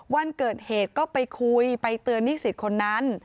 วันเกิดเหตุก็ไปคุยไปเตือนนิสิตคนนั้น